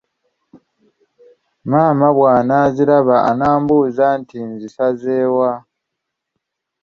Maama bw'anaaziraba anambuuza nti nzisanze wa?